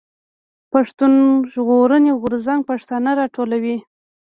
پښتون ژغورني غورځنګ پښتانه راټولوي.